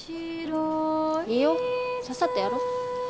いいよ。さっさとやろう。